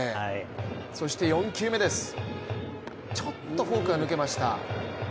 そして４球目です、ちょっとフォークが抜けました。